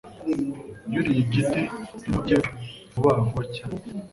Yuriye igiti nk'inguge vuba vuba cyane